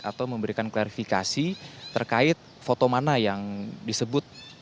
atau memberikan klarifikasi terkait foto mana yang disebut